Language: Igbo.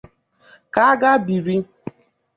Ka agha biri